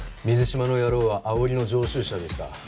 水島の野郎はあおりの常習者でした